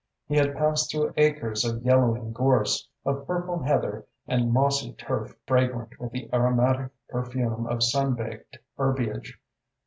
He had passed through acres of yellowing gorse, of purple heather and mossy turf, fragrant with the aromatic perfume of sun baked herbiage.